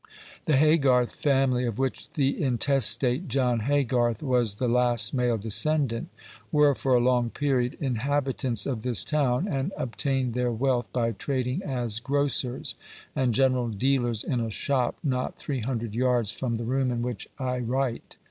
The Haygarth family, of which the intestate John Haygarth was the last male descendant, were for a long period inhabitants of this town, and obtained their wealth by trading as grocers and general dealers in a shop not three hundred yards from the room in which I write.